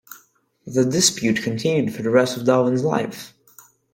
The dispute continued for the rest of Darwin's life.